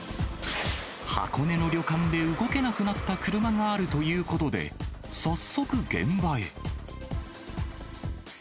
箱根の旅館で動けなくなった車があるということで、早速、現場へ。